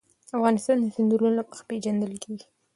افغانستان د سیندونه له مخې پېژندل کېږي.